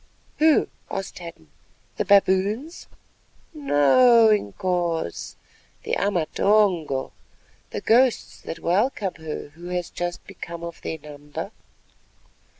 "Who?" asked Hadden; "the baboons?" "No, Inkoos, the Amatongo—the ghosts that welcome her who has just become of their number."